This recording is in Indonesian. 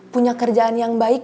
punya kerjaan yang baik